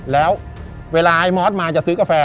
แล้วเวลาไอ้มอสมาจะซื้อกาแฟ